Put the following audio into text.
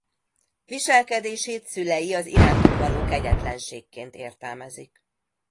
Viselkedését szülei az irántuk való kegyetlenségként értelmezik.